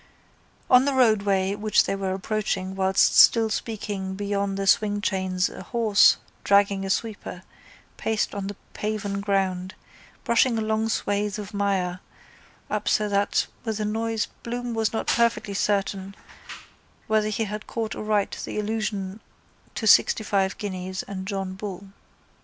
On the roadway which they were approaching whilst still speaking beyond the swingchains a horse, dragging a sweeper, paced on the paven ground, brushing a long swathe of mire up so that with the noise Bloom was not perfectly certain whether he had caught aright the allusion to sixtyfive guineas and John Bull.